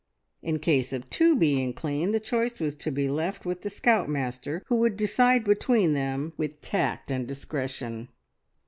In case of two being clean, the choice was to be left with the scout master, who would decide between them with tact and discretion.